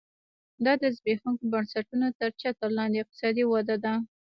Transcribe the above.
دا د زبېښونکو بنسټونو تر چتر لاندې اقتصادي وده ده